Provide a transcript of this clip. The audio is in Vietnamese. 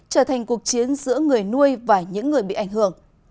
trở thành cuộc chiến giữa người nuôi và những người bị ảnh hưởng